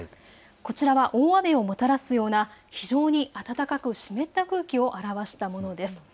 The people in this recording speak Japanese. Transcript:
こちらは大雨をもたらすような非常に暖かく湿った空気を表したものです。